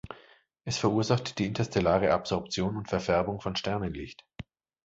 Es verursacht die interstellare Absorption und Verfärbung von Sternenlicht.